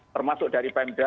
termasuk dari pmd